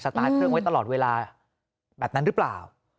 ตาร์ทเครื่องไว้ตลอดเวลาแบบนั้นหรือเปล่า